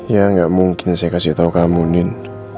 ya enggak mungkin saya kasih tau kamu nin